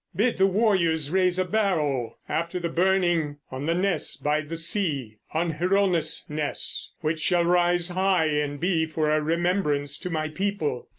Bid the warriors raise a barrow After the burning, on the ness by the sea, On Hronesness, which shall rise high and be For a remembrance to my people.